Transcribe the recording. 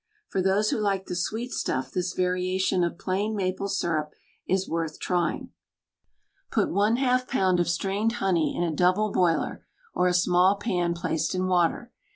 _,,. For those who like the sweet stuff this variation of plain maple syrup is worth trying: _,.,., Put one half pound of strained honey m a double boiler, or a small pan placed in water.